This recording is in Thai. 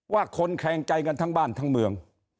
คนแคลงใจกันทั้งบ้านทั้งเมือง